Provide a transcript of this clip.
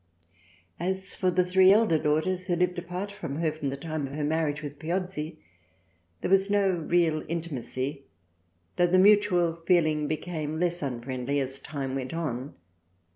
As for the three elder daughters who lived apart from her from the time of her marriage with Piozzi, there was no real intimacy though the mutual feeling became less unfriendly, as time went on.